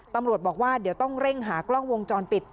ตำรวจบอกว่าเดี๋ยวต้องเร่งหากล้องวงจรปิด